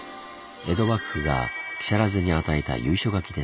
江戸幕府が木更津に与えた由緒書です。